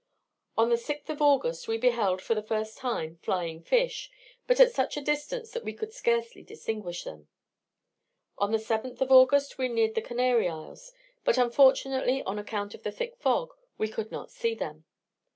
On the 6th of August we beheld, for the first time, flying fish, but at such a distance that we could scarcely distinguish them. On the 7th of August we neared the Canary Isles, but unfortunately, on account of the thick fog, we could not see them.